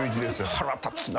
腹立つな。